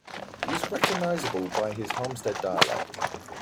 He is recognizable by his Halmstad dialect.